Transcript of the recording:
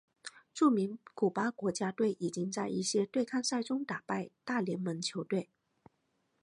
著名古巴国家队已经在一些对抗赛中打败大联盟球队。